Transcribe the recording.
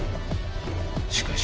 しかし。